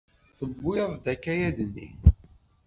Tewwiḍ-d akayad-nni.